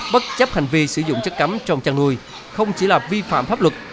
bất chấp hành vi sử dụng chất cấm trong chăn nuôi không chỉ là vi phạm pháp luật